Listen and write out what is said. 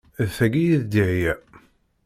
D tagi i d Dihia